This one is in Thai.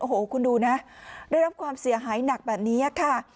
โอ้โหคุณดูนะได้รับความเสียหายหนักแบบนี้ค่ะ